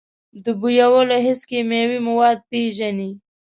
د بویولو حس کیمیاوي مواد پېژني.